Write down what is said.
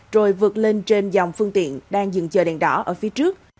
rồi vượt lên trên dòng phương tiện đang dừng chờ đèn đỏ ở phía trước